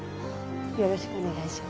よろしくお願いします。